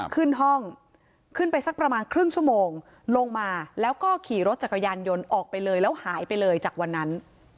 ขึ้นห้องขึ้นไปสักประมาณครึ่งชั่วโมงลงมาแล้วก็ขี่รถจักรยานยนต์ออกไปเลยแล้วหายไปเลยจากวันนั้น